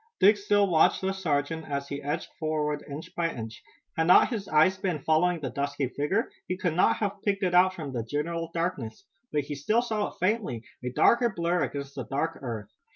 Dick still watched the sergeant as he edged forward, inch by inch. Had not his eyes been following the dusky figure he could not have picked it out from the general darkness. But he still saw it faintly, a darker blur against the dark earth.